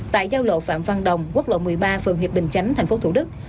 tại giao lộ phạm văn đồng quốc lộ một mươi ba phường hiệp bình chánh thành phố thủ đức